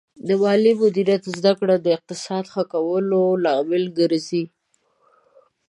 د مالي مدیریت زده کړه د اقتصاد ښه کولو لامل ګرځي.